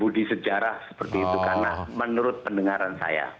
budi sejarah seperti itu karena menurut pendengaran saya